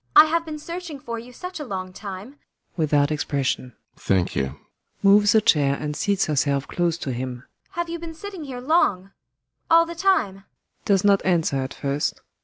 ] I have been searching for you such a long time. ALLMERS. [Without expression.] Thank you. ASTA. [Moves a chair and seats herself close to him.] Have you been sitting here long? All the time? ALLMERS. [Does not answer at first.